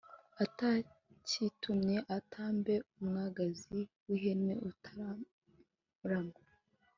atacyitumye atambe umwagazi w ihene utaramara